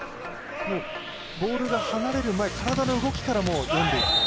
ボールが離れる前体の動きからも読んでいくと。